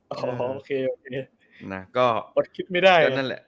โอเคโอเคอดคิดไม่ได้